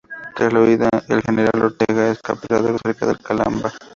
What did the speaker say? Tras la huida, el general Ortega es capturado cerca de Calanda.